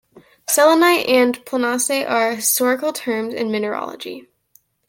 Ceylonite and pleonaste are historical terms in mineralogy.